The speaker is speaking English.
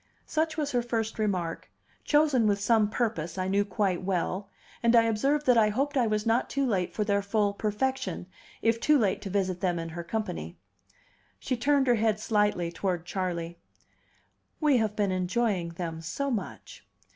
Such was her first remark, chosen with some purpose, I knew quite well; and I observed that I hoped I was not too late for their full perfection, if too late to visit them in her company. She turned her head slightly toward Charley. "We have been enjoying them so much."